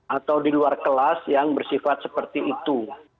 atau di luar kelas yang bersifat seperti itu